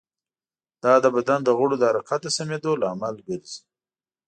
دا د بدن د غړو د حرکت د سمېدو لامل ګرځي.